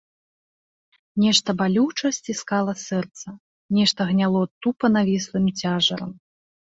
Нешта балюча сціскала сэрца, нешта гняло тупа навіслым цяжарам.